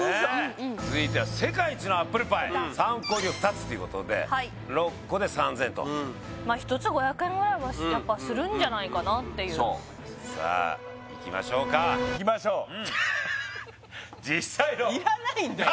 続いては世界一のアップルパイ３個入りを２つということで６個で３０００円と１つ５００円ぐらいはするんじゃないかなっていうさあいきましょうか実際のいらないんだよ